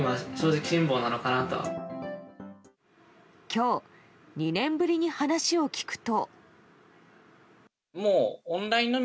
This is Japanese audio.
今日、２年ぶりに話を聞くと。